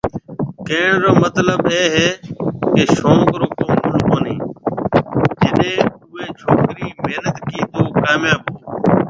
ڪهڻ رو مطلب اي هي شوق رو ڪو مُل ڪونهي جڏي اوئي ڇوڪري محنت ڪي تو ڪامياب هوئو